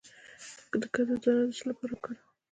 د کدو دانه د څه لپاره وکاروم؟